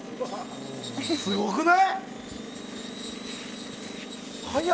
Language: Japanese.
すごくない？